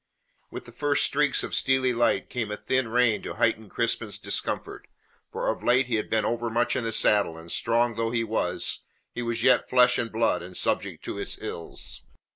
With the first streaks of steely light came a thin rain to heighten Crispin's discomfort, for of late he had been overmuch in the saddle, and strong though he was, he was yet flesh and blood, and subject to its ills.